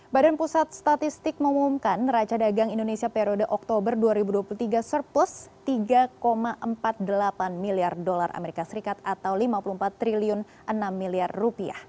badan pusat statistik mengumumkan raca dagang indonesia periode oktober dua ribu dua puluh tiga surplus tiga empat puluh delapan miliar dolar as atau lima puluh empat triliun enam miliar rupiah